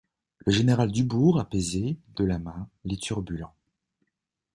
Le général Dubourg apaisait, de la main, les turbulents.